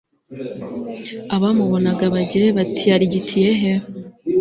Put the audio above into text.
abamubonaga bagire bati arigitiye he